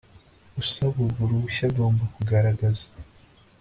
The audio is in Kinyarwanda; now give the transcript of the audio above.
Usaba urwo ruhushya agomba kugaragaza